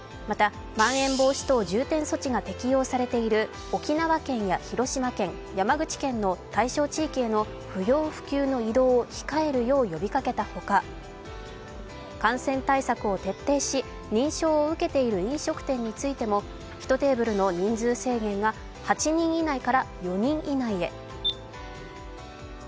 またまん延防止等重点措置が適用されている沖縄県や広島県、山口県の対象地域への不要不急の移動を控えるよう呼びかけた他感染対策を徹底し認証を受けている飲食店についても１テーブルの人数制限が８人以内から４人以内へ。